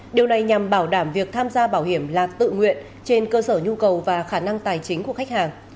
điều này nhằm bảo đảm việc tham gia bảo hiểm là tự nguyện trên cơ sở nhu cầu và khả năng tài chính của khách hàng